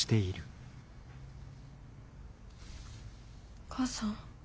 お母さん？